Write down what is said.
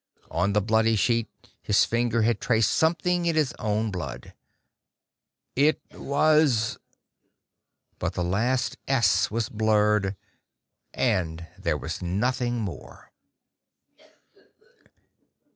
On the bloody sheet, his finger had traced something in his own blood. "It was...." But the last "s" was blurred, and there was nothing more.